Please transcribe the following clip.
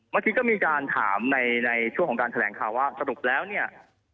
เมื่อกี้ก็มีการถามในช่วงของการแถลงข่าวว่าสรุปแล้วเนี่ย